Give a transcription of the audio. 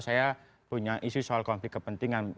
saya punya isu soal konflik kepentingan